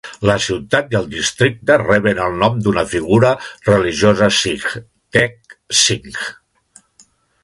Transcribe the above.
La ciutat i el districte reben el nom d'una figura religiosa sikh, Tek Singh.